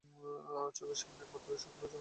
আর চোখের সামনে একমাত্র শুকনো জমি বলতে, ছিল মা।